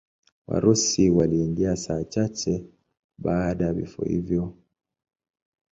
Warusi waliingia saa chache baada ya vifo hivi.